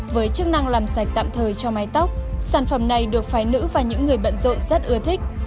với chức năng làm sạch tạm thời cho mái tóc sản phẩm này được phái nữ và những người bận rộn rất ưa thích